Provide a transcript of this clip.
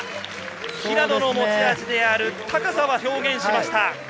平野の持ち味である高さは表現しました。